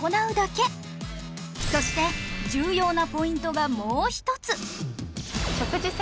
そして重要なポイントがもう一つ